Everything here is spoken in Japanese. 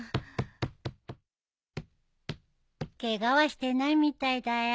・ケガはしてないみたいだよ。